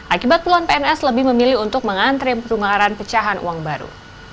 akibat peluang pns lebih memilih untuk mengantri penukaran pecahan uang baru